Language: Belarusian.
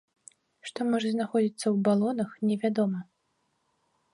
Што можа знаходзіцца ў балонах, невядома.